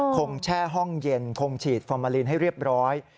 แช่ห้องเย็นคงฉีดฟอร์มาลีนให้เรียบร้อย